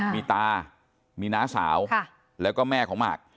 มีตามีน้าสาวแล้วก็แม่ของหมาก